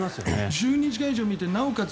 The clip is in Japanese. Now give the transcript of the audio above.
１２時間以上見てなおかつ